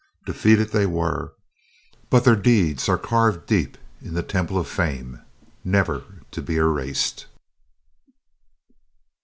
Defeated they were, but their deeds are carved deep in the temple of fame, never to be erased.